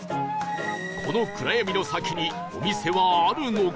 この暗闇の先にお店はあるのか？